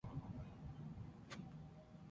Las legiones se aproximaban sin saber del peligro.